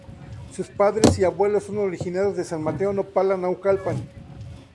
Sus padres y abuelos son originarios de San Mateo Nopala, Naucalpan.